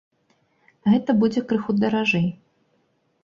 Гэта будзе крыху даражэй.